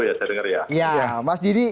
ya saya dengar ya ya mas didi